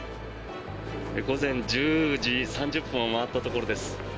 午前１０時３０分を回ったところです。